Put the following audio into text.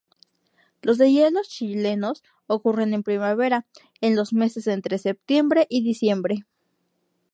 Los deshielos chilenos ocurren en primavera, en los meses entre septiembre y diciembre.